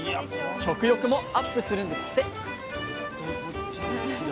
食欲もアップするんですって！